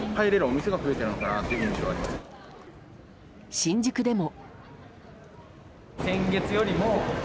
新宿でも。